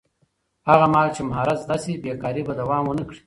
هغه مهال چې مهارت زده شي، بېکاري به دوام ونه کړي.